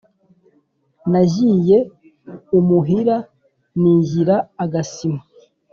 najyiye umuhira nijyira agasima